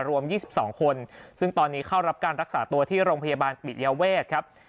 รวม๒๒คนซึ่งตอนนี้เข้ารับการรักษาตัวที่โรงพยาบาลปิยเวทครับ